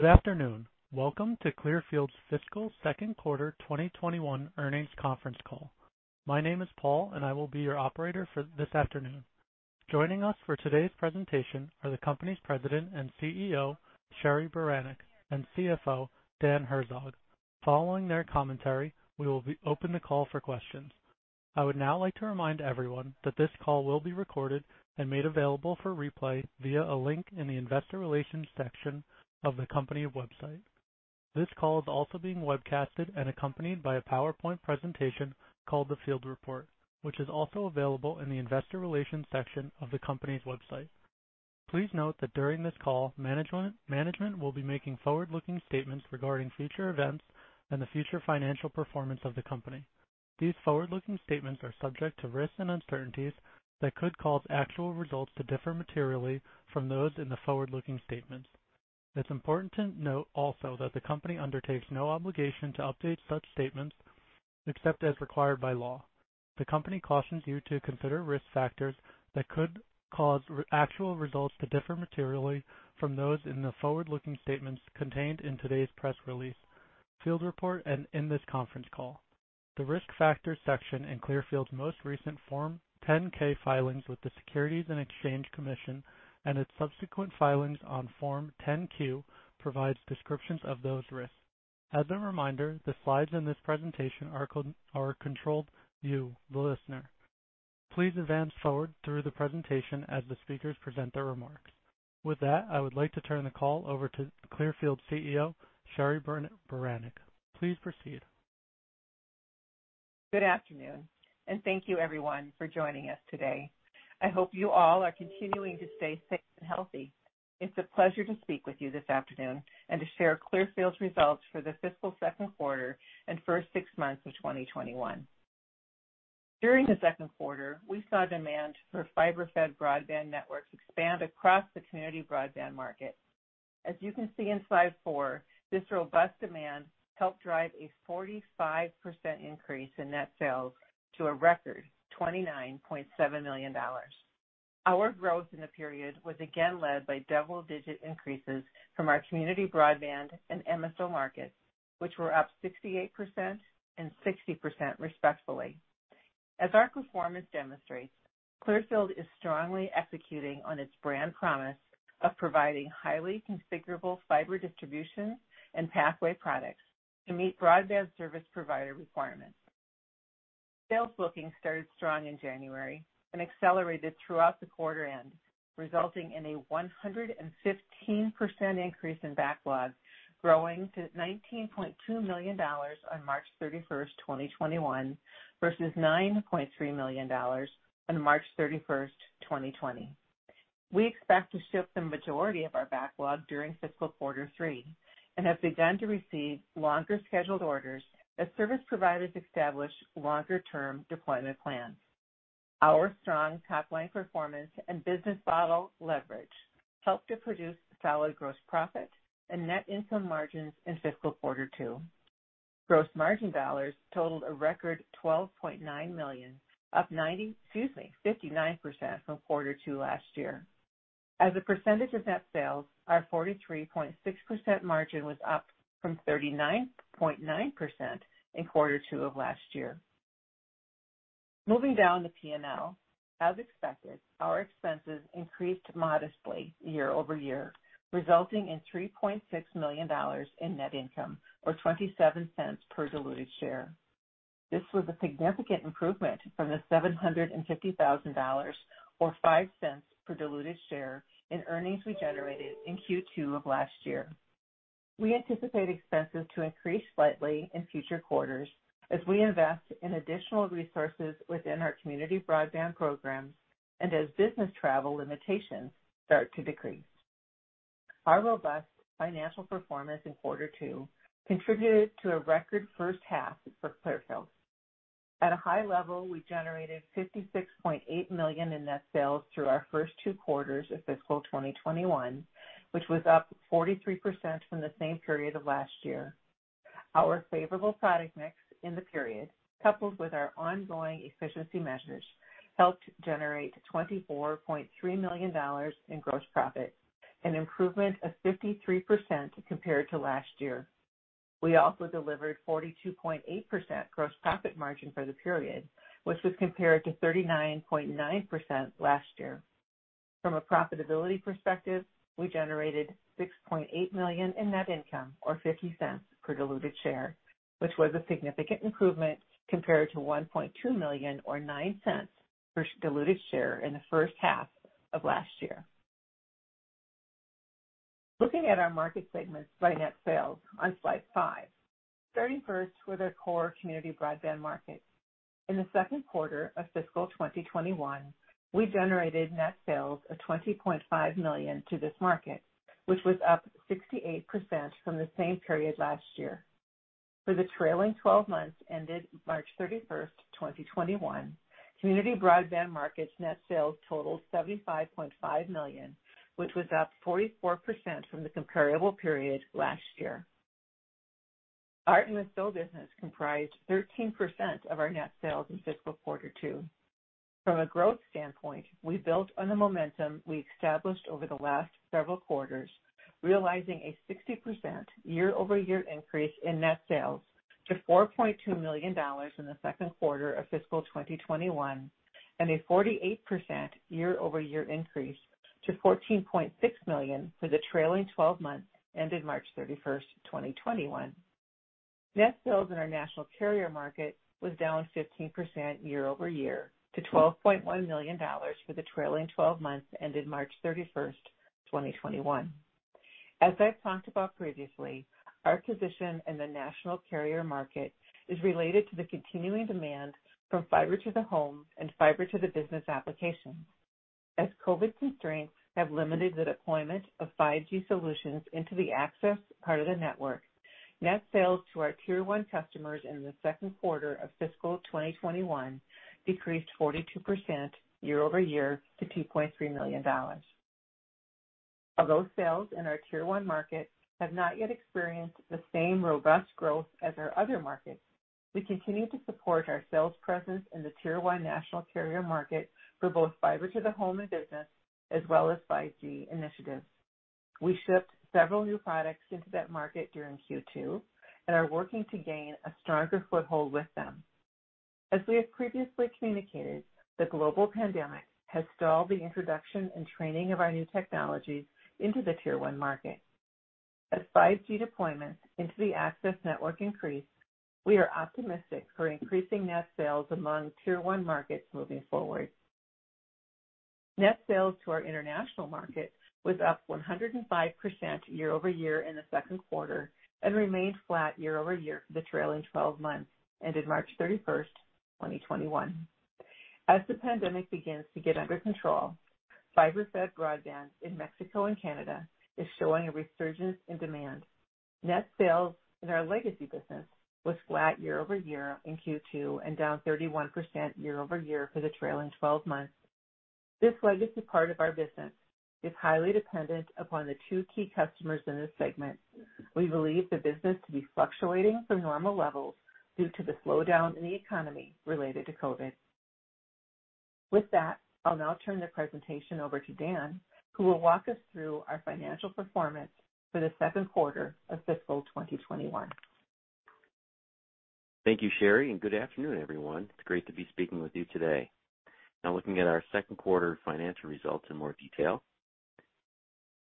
Good afternoon. Welcome to Clearfield's fiscal second quarter 2021 earnings conference call. My name is Paul, and I will be your operator for this afternoon. Joining us for today's presentation are the company's President and CEO, Cheri Beranek, and CFO, Daniel Herzog. Following their commentary, we will open the call for questions. I would now like to remind everyone that this call will be recorded and made available for replay via a link in the investor relations section of the company website. This call is also being webcasted and accompanied by a PowerPoint presentation called The FieldReport, which is also available in the investor relations section of the company's website. Please note that during this call, management will be making forward-looking statements regarding future events and the future financial performance of the company. These forward-looking statements are subject to risks and uncertainties that could cause actual results to differ materially from those in the forward-looking statements. It's important to note also that the company undertakes no obligation to update such statements except as required by law. The company cautions you to consider risk factors that could cause actual results to differ materially from those in the forward-looking statements contained in today's press release, FieldReport, and in this conference call. The Risk Factors section in Clearfield's most recent Form 10-K filings with the Securities and Exchange Commission and its subsequent filings on Form 10-Q provides descriptions of those risks. As a reminder, the slides in this presentation are controlled view, the listener. Please advance forward through the presentation as the speakers present their remarks. With that, I would like to turn the call over to Clearfield CEO, Cheri Beranek. Please proceed. Good afternoon. Thank you everyone for joining us today. I hope you all are continuing to stay safe and healthy. It's a pleasure to speak with you this afternoon and to share Clearfield's results for the fiscal second quarter and first six months of 2021. During the second quarter, we saw demand for fiber-fed broadband networks expand across the community broadband market. As you can see in slide four, this robust demand helped drive a 45% increase in net sales to a record $29.7 million. Our growth in the period was again led by double-digit increases from our community broadband and MSO markets, which were up 68% and 60% respectively. As our performance demonstrates, Clearfield is strongly executing on its brand promise of providing highly configurable fiber distribution and pathway products to meet broadband service provider requirements. Sales bookings started strong in January and accelerated throughout the quarter end, resulting in a 115% increase in backlogs, growing to $19.2 million on March 31st, 2021, versus $9.3 million on March 31st, 2020. We expect to ship the majority of our backlog during fiscal Q3 and have begun to receive longer scheduled orders as service providers establish longer-term deployment plans. Our strong top-line performance and business model leverage helped to produce solid gross profit and net income margins in fiscal Q2. Gross margin dollars totaled a record $12.9 million, up 59% from Q2 last year. As a percentage of net sales, our 43.6% margin was up from 39.9% in Q2 of last year. Moving down the P&L, as expected, our expenses increased modestly YoY, resulting in $3.6 million in net income, or $0.27 per diluted share. This was a significant improvement from the $750,000, or $0.05 per diluted share in earnings we generated in Q2 of last year. We anticipate expenses to increase slightly in future quarters as we invest in additional resources within our community broadband programs and as business travel limitations start to decrease. Our robust financial performance in Q2 contributed to a record first half for Clearfield. At a high level, we generated $56.8 million in net sales through our first two quarters of fiscal 2021, which was up 43% from the same period of last year. Our favorable product mix in the period, coupled with our ongoing efficiency measures, helped generate $24.3 million in gross profit, an improvement of 53% compared to last year. We also delivered 42.8% gross profit margin for the period, which was compared to 39.9% last year. From a profitability perspective, we generated $6.8 million in net income or $0.50 per diluted share, which was a significant improvement compared to $1.2 million or $0.09 per diluted share in the first half of last year. Looking at our market segments by net sales on slide five. Starting first with our core community broadband market. In the second quarter of fiscal 2021, we generated net sales of $20.5 million to this market, which was up 68% from the same period last year. For the trailing 12 months ended March 31st, 2021, community broadband markets net sales totaled $75.5 million, which was up 44% from the comparable period last year. Our MSO business comprised 13% of our net sales in fiscal Q2. From a growth standpoint, we built on the momentum we established over the last several quarters, realizing a 60% YoY increase in net sales to $4.2 million in the second quarter of fiscal 2021, and a 48% YoY increase to $14.6 million for the trailing 12 months ended March 31st, 2021. Net sales in our national carrier market was down 15% YoY to $12.1 million for the trailing 12 months ended March 31st, 2021. As I've talked about previously, our position in the national carrier market is related to the continuing demand from Fiber to the Home and Fiber to the Business applications, as COVID constraints have limited the deployment of 5G solutions into the access part of the network. Net sales to our Tier 1 customers in the second quarter of fiscal 2021 decreased 42% YoY to $2.3 million. Although sales in our Tier 1 market have not yet experienced the same robust growth as our other markets, we continue to support our sales presence in the Tier 1 national carrier market for both Fiber to the Home and Business, as well as 5G initiatives. We shipped several new products into that market during Q2 and are working to gain a stronger foothold with them. We have previously communicated, the global pandemic has stalled the introduction and training of our new technologies into the Tier 1 market. 5G deployments into the access network increase, we are optimistic for increasing net sales among Tier 1 markets moving forward. Net sales to our international market was up 105% YoY in the second quarter and remained flat YoY for the trailing 12 months ended March 31st, 2021. The pandemic begins to get under control, fiber-fed broadband in Mexico and Canada is showing a resurgence in demand. Net sales in our legacy business was flat YoY in Q2 and down 31% YoY for the trailing 12 months. This legacy part of our business is highly dependent upon the two key customers in this segment. We believe the business to be fluctuating from normal levels due to the slowdown in the economy related to COVID-19. I'll now turn the presentation over to Dan, who will walk us through our financial performance for the second quarter of fiscal 2021. Thank you, Cheri, and good afternoon, everyone. It's great to be speaking with you today. Looking at our second quarter financial results in more detail.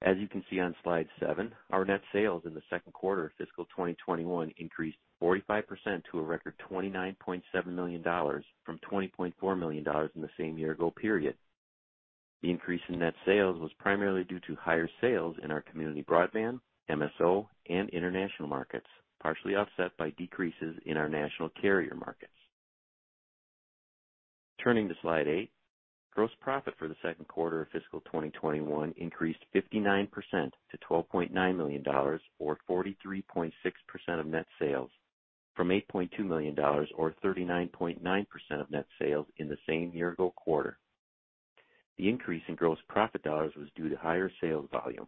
As you can see on slide seven, our net sales in the second quarter of fiscal 2021 increased 45% to a record $29.7 million from $20.4 million in the same year-ago period. The increase in net sales was primarily due to higher sales in our community broadband, MSO, and international markets, partially offset by decreases in our national carrier markets. Turning to slide eight, gross profit for the second quarter of fiscal 2021 increased 59% to $12.9 million, or 43.6% of net sales from $8.2 million, or 39.9% of net sales in the same year-ago quarter. The increase in gross profit dollars was due to higher sales volume.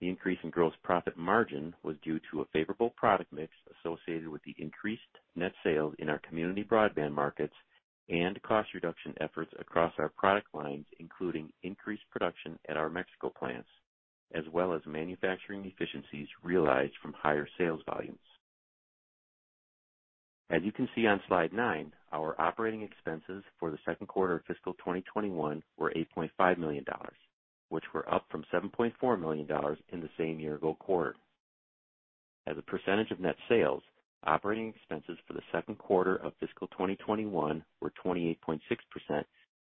The increase in gross profit margin was due to a favorable product mix associated with the increased net sales in our community broadband markets and cost reduction efforts across our product lines, including increased production at our Mexico plants, as well as manufacturing efficiencies realized from higher sales volumes. As you can see on slide nine, our operating expenses for the second quarter of fiscal 2021 were $8.5 million, which were up from $7.4 million in the same year-ago quarter. As a percentage of net sales, operating expenses for the second quarter of fiscal 2021 were 28.6%,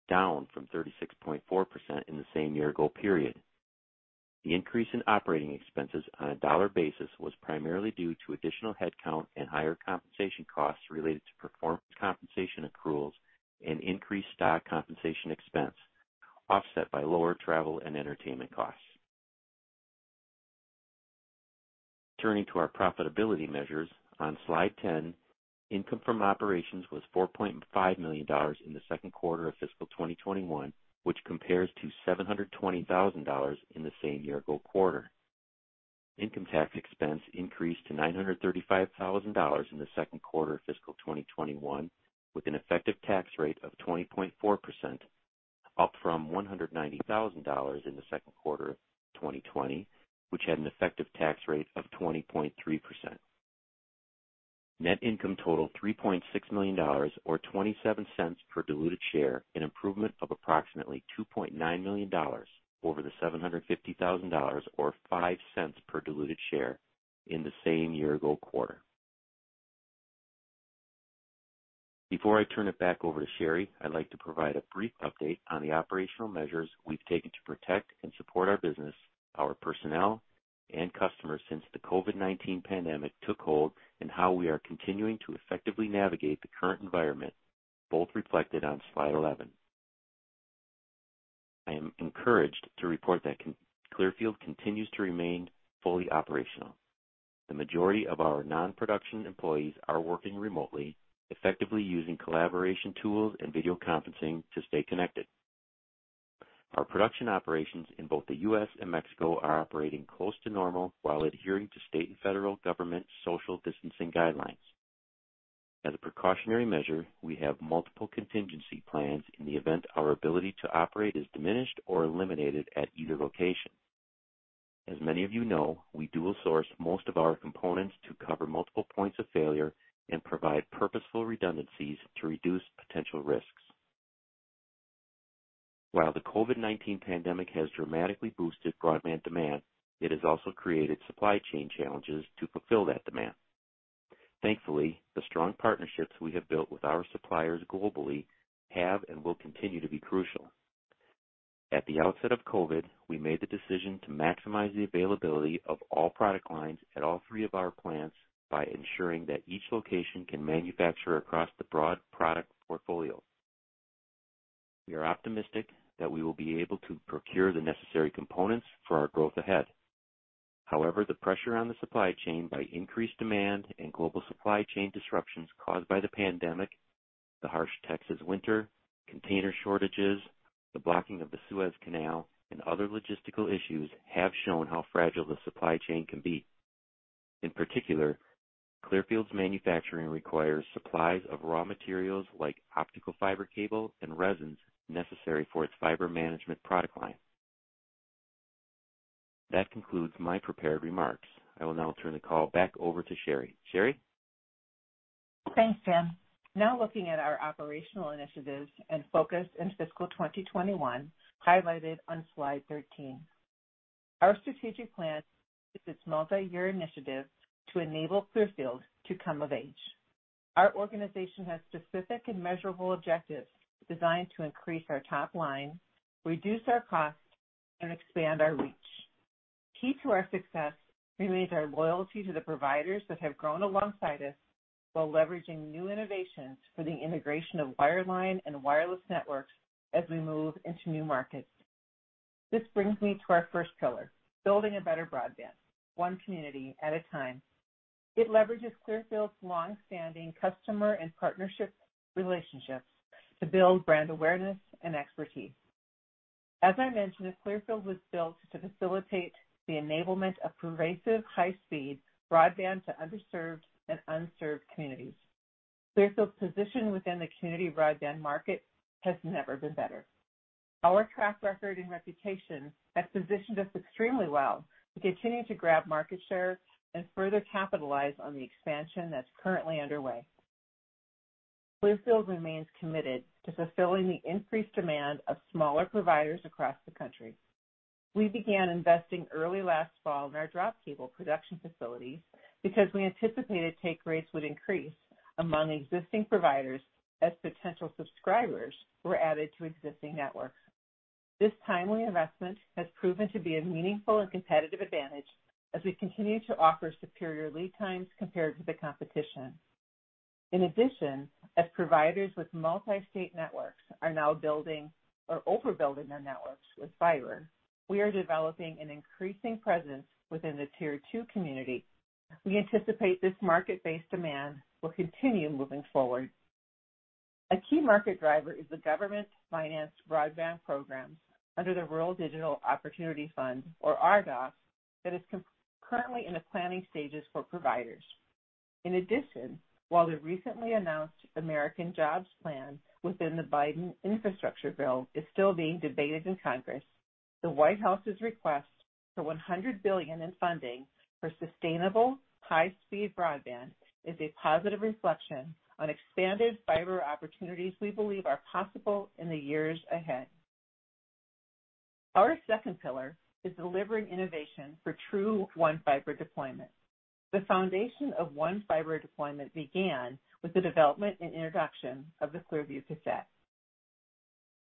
down from 36.4% in the same year-ago period. The increase in operating expenses on a dollar basis was primarily due to additional headcount and higher compensation costs related to performance compensation accruals and increased stock compensation expense, offset by lower travel and entertainment costs. Turning to our profitability measures on slide 10, income from operations was $4.5 million in the second quarter of fiscal 2021, which compares to $720,000 in the same year-ago quarter. Income tax expense increased to $935,000 in the second quarter of fiscal 2021, with an effective tax rate of 20.4%, up from $190,000 in the second quarter of 2020, which had an effective tax rate of 20.3%. Net income totaled $3.6 million, or $0.27 per diluted share, an improvement of approximately $2.9 million over the $750,000, or $0.05 per diluted share in the same year-ago quarter. Before I turn it back over to Cheri, I'd like to provide a brief update on the operational measures we've taken to protect and support our business, our personnel, and customers since the COVID-19 pandemic took hold, and how we are continuing to effectively navigate the current environment, both reflected on slide 11. I am encouraged to report that Clearfield continues to remain fully operational. The majority of our non-production employees are working remotely, effectively using collaboration tools and video conferencing to stay connected. Our production operations in both the U.S. and Mexico are operating close to normal while adhering to state and federal government social distancing guidelines. As a precautionary measure, we have multiple contingency plans in the event our ability to operate is diminished or eliminated at either location. As many of you know, we dual source most of our components to cover multiple points of failure and provide purposeful redundancies to reduce potential risks. While the COVID-19 pandemic has dramatically boosted broadband demand, it has also created supply chain challenges to fulfill that demand. Thankfully, the strong partnerships we have built with our suppliers globally have and will continue to be crucial. At the outset of COVID, we made the decision to maximize the availability of all product lines at all three of our plants by ensuring that each location can manufacture across the broad product portfolio. We are optimistic that we will be able to procure the necessary components for our growth ahead. However, the pressure on the supply chain by increased demand and global supply chain disruptions caused by the pandemic, the harsh Texas winter, container shortages, the blocking of the Suez Canal, and other logistical issues have shown how fragile the supply chain can be. In particular, Clearfield's manufacturing requires supplies of raw materials like optical fiber cable and resins necessary for its fiber management product line. That concludes my prepared remarks. I will now turn the call back over to Cheri. Cheri? Thanks, Dan. Looking at our operational initiatives and focus in fiscal 2021, highlighted on slide 13. Our strategic Plan is this multi-year initiative to enable Clearfield to come of age. Our organization has specific and measurable objectives designed to increase our top line, reduce our costs, and expand our reach. Key to our success remains our loyalty to the providers that have grown alongside us while leveraging new innovations for the integration of wireline and wireless networks as we move into new markets. This brings me to our first pillar, building a better broadband, one community at a time. It leverages Clearfield's longstanding customer and partnership relationships to build brand awareness and expertise. As I mentioned, Clearfield was built to facilitate the enablement of pervasive high-speed broadband to underserved and unserved communities. Clearfield's position within the community broadband market has never been better. Our track record and reputation has positioned us extremely well to continue to grab market share and further capitalize on the expansion that's currently underway. Clearfield remains committed to fulfilling the increased demand of smaller providers across the country. We began investing early last fall in our drop cable production facilities because we anticipated take rates would increase among existing providers as potential subscribers were added to existing networks. This timely investment has proven to be a meaningful and competitive advantage as we continue to offer superior lead times compared to the competition. In addition, as providers with multi-state networks are now building or overbuilding their networks with fiber, we are developing an increasing presence within the Tier 2 community. We anticipate this market-based demand will continue moving forward. A key market driver is the government-financed broadband programs under the Rural Digital Opportunity Fund, or RDOF, that is currently in the planning stages for providers. While the recently announced American Jobs Plan within the Biden infrastructure bill is still being debated in Congress, the White House's request for $100 billion in funding for sustainable high-speed broadband is a positive reflection on expanded fiber opportunities we believe are possible in the years ahead. Our second pillar is delivering innovation for true one fiber deployment. The foundation of one fiber deployment began with the development and introduction of the Clearview Cassette.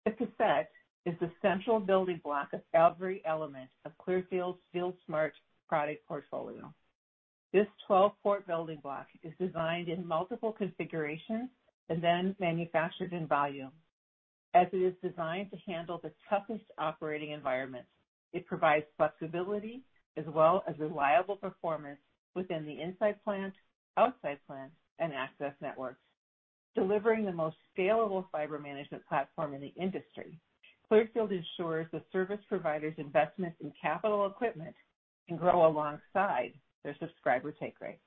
The cassette is the central building block of every element of Clearfield's FieldSmart product portfolio. This 12-port building block is designed in multiple configurations and then manufactured in volume. As it is designed to handle the toughest operating environments, it provides flexibility as well as reliable performance within the inside plant, outside plant, and access networks. Delivering the most scalable fiber management platform in the industry, Clearfield ensures the service provider's investment in capital equipment can grow alongside their subscriber take rate.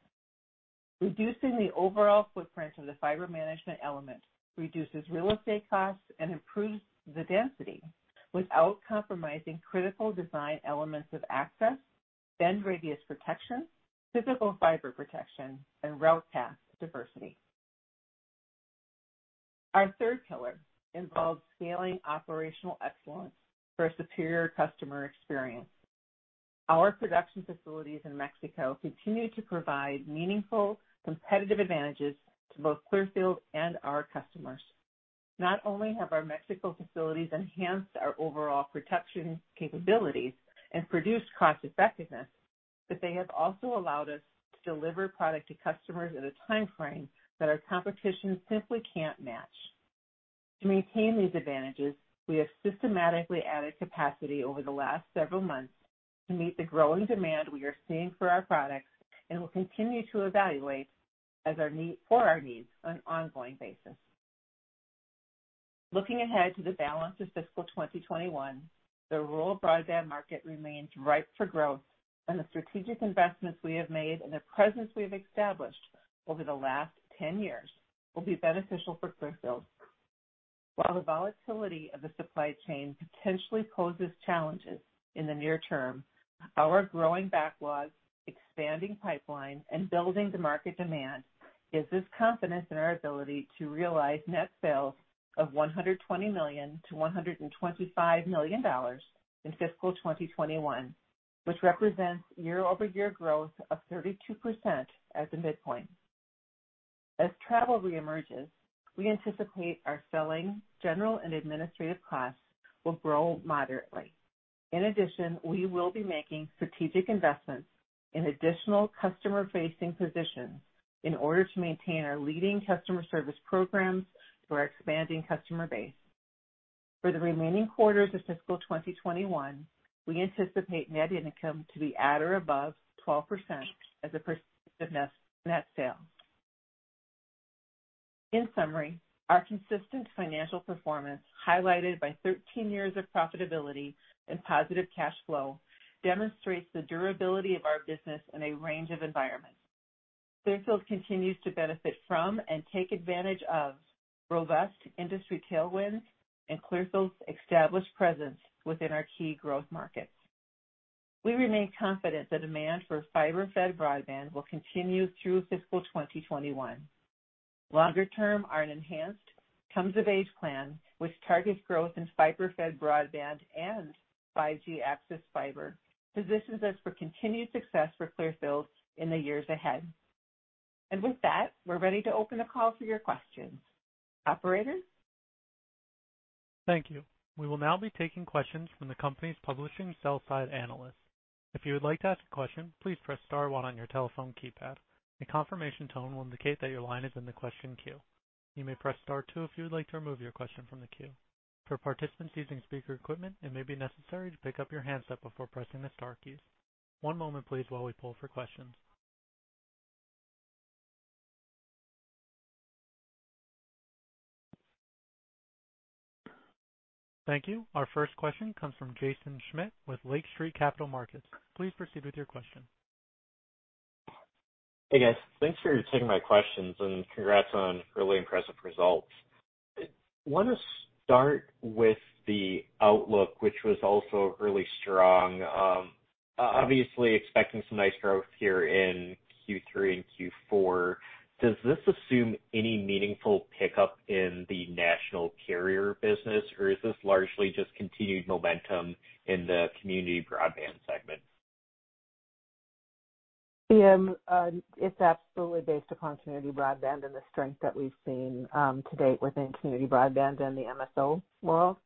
Reducing the overall footprint of the fiber management element reduces real estate costs and improves the density without compromising critical design elements of access, bend radius protection, physical fiber protection, and route path diversity. Our third pillar involves scaling operational excellence for a superior customer experience. Our production facilities in Mexico continue to provide meaningful competitive advantages to both Clearfield and our customers. Not only have our Mexico facilities enhanced our overall production capabilities and produced cost effectiveness, but they have also allowed us to deliver product to customers in a timeframe that our competition simply can't match. To maintain these advantages, we have systematically added capacity over the last several months to meet the growing demand we are seeing for our products and will continue to evaluate our needs on an ongoing basis. Looking ahead to the balance of fiscal 2021, the rural broadband market remains ripe for growth, and the strategic investments we have made and the presence we have established over the last 10 years will be beneficial for Clearfield. While the volatility of the supply chain potentially poses challenges in the near term, our growing backlogs, expanding pipeline, and building the market demand gives us confidence in our ability to realize net sales of $120 million-$125 million in fiscal 2021, which represents YoY growth of 32% at the midpoint. As travel re-emerges, we anticipate our selling, general, and administrative costs will grow moderately. In addition, we will be making strategic investments in additional customer-facing positions in order to maintain our leading customer service programs for our expanding customer base. For the remaining quarters of fiscal 2021, we anticipate net income to be at or above 12% as a percent of net sales. In summary, our consistent financial performance, highlighted by 13 years of profitability and positive cash flow, demonstrates the durability of our business in a range of environments. Clearfield continues to benefit from and take advantage of robust industry tailwinds and Clearfield's established presence within our key growth markets. We remain confident the demand for fiber-fed broadband will continue through fiscal 2021. Longer term, our enhanced comes-of-age Plan, which targets growth in fiber-fed broadband and 5G access fiber, positions us for continued success for Clearfield in the years ahead. With that, we're ready to open the call for your questions. Operator? Thank you. We will now be taking questions from the company's publishing sell side analysts. If you would like to ask a question, please press star one on your telephone keypad. A confirmation tone will indicate that your line is in the question queue. You may press star two if you would like to remove your question from the queue. For participants using speaker equipment, it may be necessary to pick up your handset before pressing the star keys. One moment, please, while we poll for questions. Thank you. Our first question comes from Jaeson Schmidt with Lake Street Capital Markets. Please proceed with your question. Hey, guys. Thanks for taking my questions, and congrats on really impressive results. I want to start with the outlook, which was also really strong. Obviously expecting some nice growth here in Q3 and Q4. Does this assume any meaningful pickup in the national carrier business, or is this largely just continued momentum in the community broadband segment? It's absolutely based upon community broadband and the strength that we've seen to date within community broadband and the MSO world.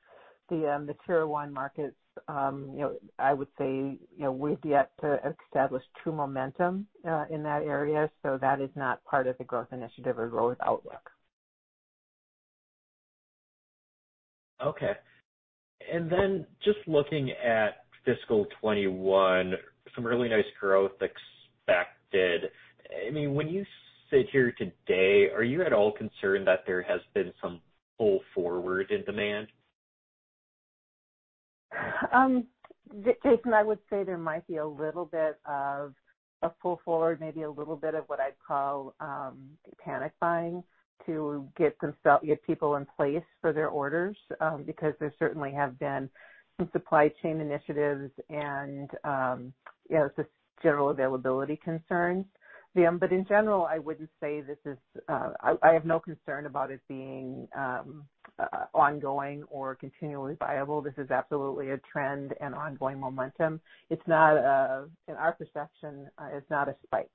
The Tier 1 markets, I would say we've yet to establish true momentum in that area. That is not part of the growth initiative or growth outlook. Okay. Just looking at fiscal 2021, some really nice growth expected. When you sit here today, are you at all concerned that there has been some pull forward in demand? Jaeson, I would say there might be a little bit of a pull forward, maybe a little bit of what I'd call panic buying to get people in place for their orders, because there certainly have been some supply chain initiatives and just general availability concerns. In general, I have no concern about it being ongoing or continually viable. This is absolutely a trend and ongoing momentum. In our perception, it's not a spike.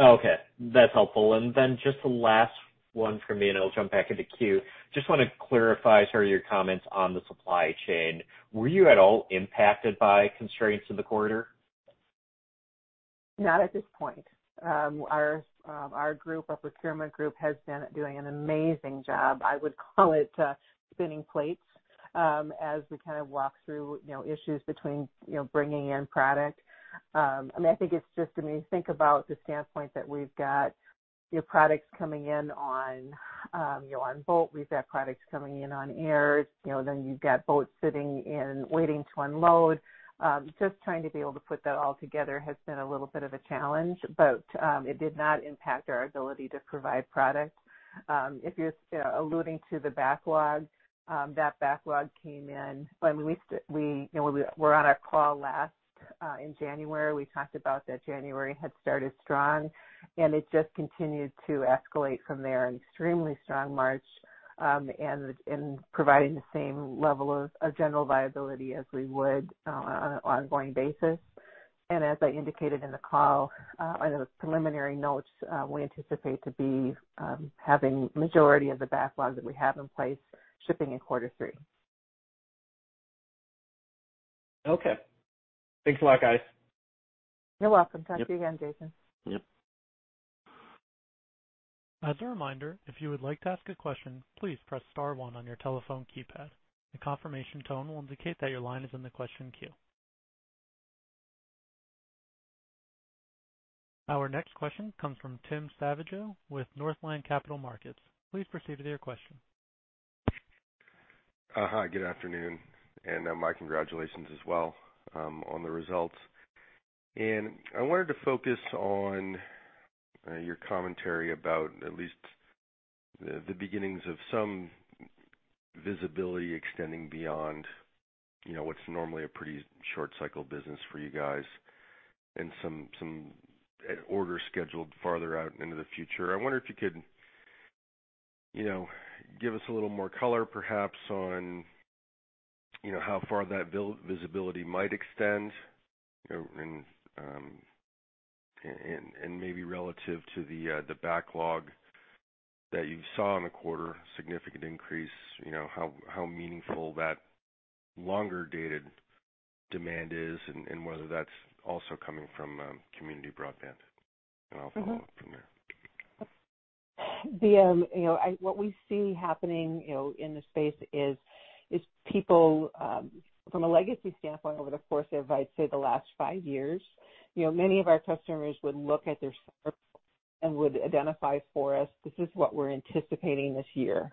Okay. That's helpful. Just the last one from me, and I'll jump back in the queue. I just want to clarify sort of your comments on the supply chain. Were you at all impacted by constraints in the quarter? Not at this point. Our procurement group has been doing an amazing job. I would call it spinning plates as we kind of walk through issues between bringing in product. I think it's just, when you think about the standpoint that we've got products coming in on boat, we've got products coming in on air. You've got boats sitting and waiting to unload. Just trying to be able to put that all together has been a little bit of a challenge. It did not impact our ability to provide product. If you're alluding to the backlog, that backlog came in when we were on our call last in January. We talked about that January had started strong, and it just continued to escalate from there. An extremely strong March and providing the same level of general viability as we would on an ongoing basis. As I indicated in the call, on the preliminary notes, we anticipate to be having majority of the backlog that we have in place shipping in Q3. Okay. Thanks a lot, guys. You're welcome. Talk to you again, Jaeson. Yep. As a reminder, if you would like to ask a question, please press star one on your telephone keypad. A confirmation tone will indicate that your line is in the question queue. Our next question comes from Tim Savageaux with Northland Capital Markets. Please proceed with your question. Hi, good afternoon. My congratulations as well on the results. I wanted to focus on your commentary about at least the beginnings of some visibility extending beyond what's normally a pretty short cycle business for you guys and some order scheduled farther out into the future. I wonder if you could give us a little more color, perhaps, on how far that visibility might extend and maybe relative to the backlog that you saw in the quarter, significant increase, how meaningful that longer-dated demand is, and whether that's also coming from community broadband. I'll follow up from there. What we see happening in the space is people, from a legacy standpoint, over the course of, I'd say the last five years, many of our customers would look at their and would identify for us, this is what we're anticipating this year.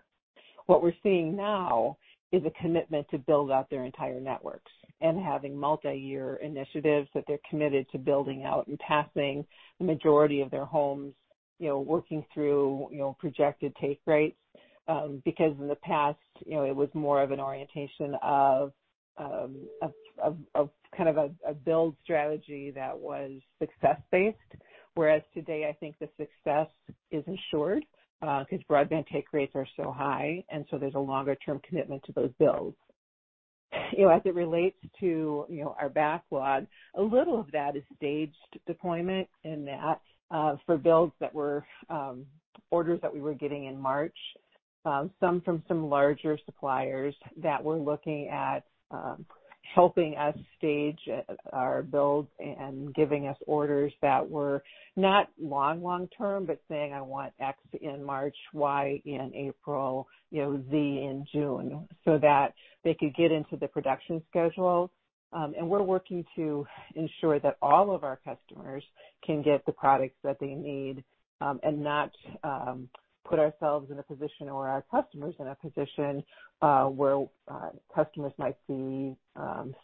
What we're seeing now is a commitment to build out their entire networks and having multi-year initiatives that they're committed to building out and passing the majority of their homes, working through projected take rates. Because in the past, it was more of an orientation of a build strategy that was success-based. Whereas today, I think the success is ensured, because broadband take rates are so high, there's a longer-term commitment to those builds. As it relates to our backlog, a little of that is staged deployment in that for builds that were orders that we were getting in March, some from some larger suppliers that were looking at helping us stage our builds and giving us orders that were not long, long-term, but saying, "I want X in March, Y in April, Z in June," so that they could get into the production schedule. We're working to ensure that all of our customers can get the products that they need, and not put ourselves in a position or our customers in a position where customers might be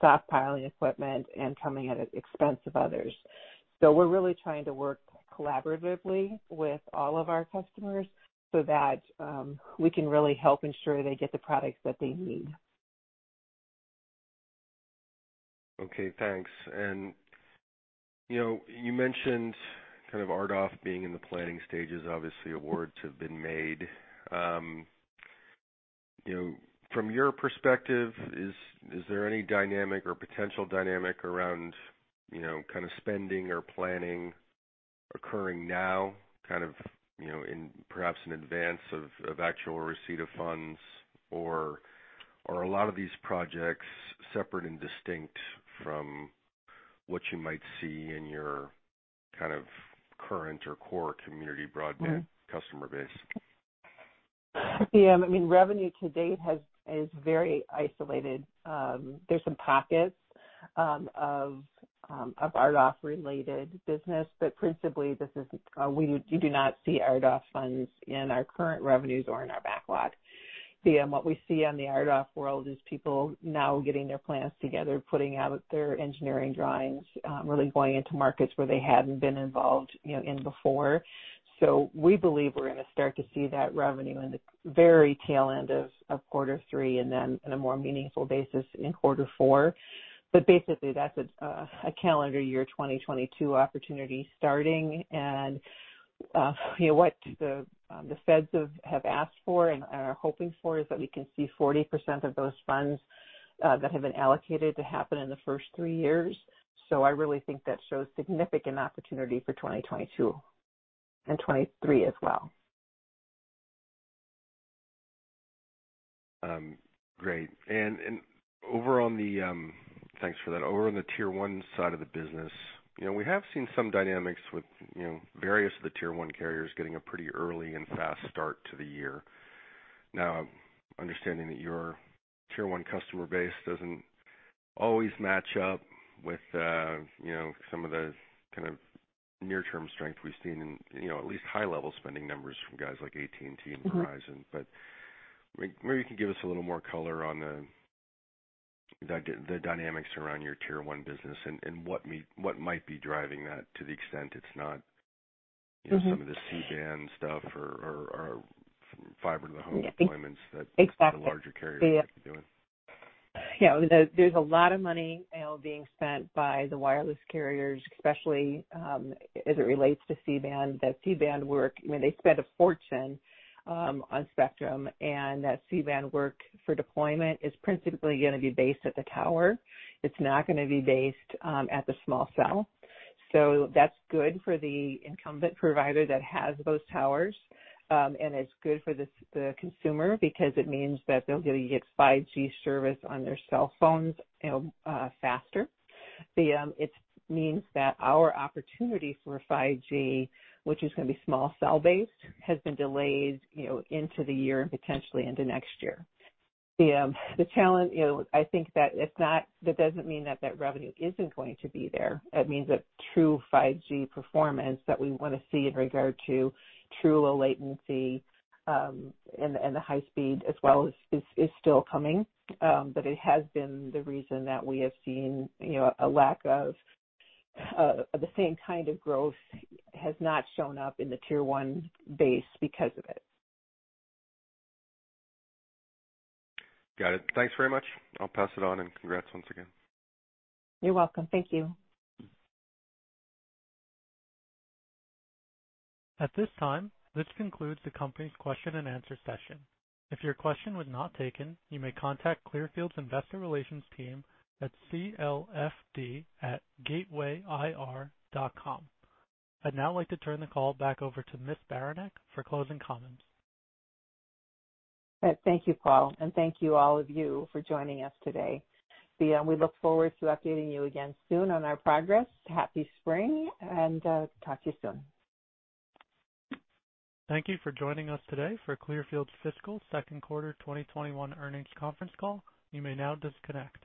stockpiling equipment and coming at an expense of others. We're really trying to work collaboratively with all of our customers so that we can really help ensure they get the products that they need. Okay, thanks. You mentioned kind of RDOF being in the planning stages. Obviously, awards have been made. From your perspective, is there any dynamic or potential dynamic around spending or planning occurring now, perhaps in advance of actual receipt of funds, or are a lot of these projects separate and distinct from what you might see in your current or core community broadband customer base? Yeah. Revenue to date is very isolated. There's some pockets of RDOF-related business, but principally, you do not see RDOF funds in our current revenues or in our backlog. What we see on the RDOF world is people now getting their plans together, putting out their engineering drawings, really going into markets where they hadn't been involved in before. We believe we're going to start to see that revenue in the very tail end of Q3 and then in a more meaningful basis in Q4. Basically, that's a calendar year 2022 opportunity starting. What the feds have asked for and are hoping for is that we can see 40% of those funds that have been allocated to happen in the first three years. I really think that shows significant opportunity for 2022 and 2023 as well. Great. Thanks for that. Over on the Tier 1 side of the business, we have seen some dynamics with various of the Tier 1 carriers getting a pretty early and fast start to the year. Now, understanding that your Tier 1 customer base doesn't always match up with some of the near-term strength we've seen in at least high-level spending numbers from guys like AT&T and Verizon. Maybe you can give us a little more color on the dynamics around your Tier 1 business and what might be driving that to the extent it's not some of the C-band stuff or Fiber to the Home deployments that the larger carriers might be doing. Yeah. There's a lot of money being spent by the wireless carriers, especially as it relates to C-band. That C-band work, they spent a fortune on spectrum, that C-band work for deployment is principally going to be based at the tower. It's not going to be based at the small cell. That's good for the incumbent provider that has those towers. It's good for the consumer because it means that they'll be able to get 5G service on their cell phones faster. It means that our opportunity for 5G, which is going to be small cell-based, has been delayed into the year and potentially into next year. I think that that doesn't mean that that revenue isn't going to be there. It means that true 5G performance that we want to see in regard to true low latency and the high speed as well is still coming. It has been the reason that we have seen a lack of the same kind of growth has not shown up in the Tier 1 base because of it. Got it. Thanks very much. I'll pass it on, and congrats once again. You're welcome. Thank you. At this time, this concludes the company's question and answer session. If your question was not taken, you may contact Clearfield's investor relations team at clfd@gatewayir.com. I'd now like to turn the call back over to Ms. Beranek for closing comments. Thank you, Paul, and thank you, all of you, for joining us today. We look forward to updating you again soon on our progress. Happy spring, and talk to you soon. Thank you for joining us today for Clearfield's fiscal second quarter 2021 earnings conference call. You may now disconnect.